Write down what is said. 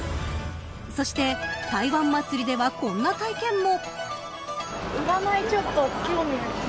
そして台湾祭ではこんな体験も。